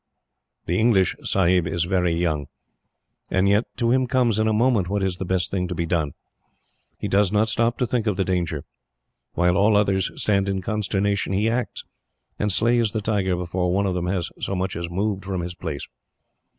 "The English sahib is very young, and yet to him comes, in a moment, what is the best thing to be done. He does not stop to think of the danger. While all others stand in consternation, he acts, and slays the tiger before one of them has so much as moved from his place.